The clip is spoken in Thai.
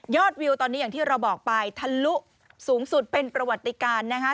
วิวตอนนี้อย่างที่เราบอกไปทะลุสูงสุดเป็นประวัติการนะคะ